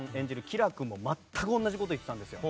吉良君も全く同じことを言っていたんですよ。